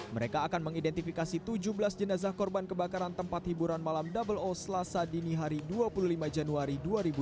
mereka akan mengidentifikasi tujuh belas jenazah korban kebakaran tempat hiburan malam selasa dini hari dua puluh lima januari dua ribu dua puluh